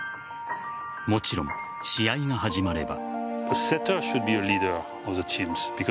もちろん、試合が始まれば。